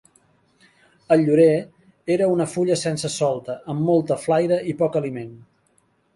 El llaurer, era una fulla sense solta amb molta flaira i poc aliment.